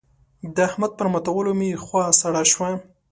د احمد پر ماتولو مې خوا سړه شوه.